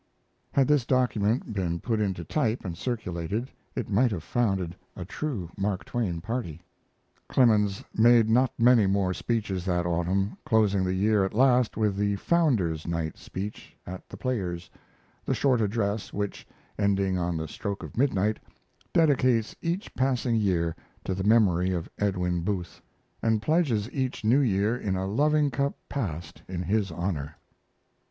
Had this document been put into type and circulated it might have founded a true Mark Twain party. Clemens made not many more speeches that autumn, closing the year at last with the "Founder's Night" speech at The Players, the short address which, ending on the stroke of midnight, dedicates each passing year to the memory of Edwin Booth, and pledges each new year in a loving cup passed in his honor.